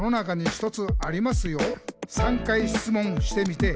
「３かいしつもんしてみて」